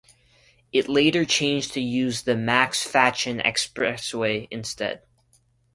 It later changed to use the Max Fatchen Expressway instead.